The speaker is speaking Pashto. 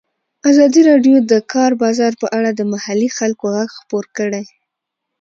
ازادي راډیو د د کار بازار په اړه د محلي خلکو غږ خپور کړی.